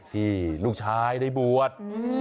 ที่ลูกชายได้บวช